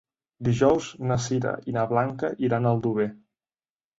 Dijous na Sira i na Blanca iran a Aldover.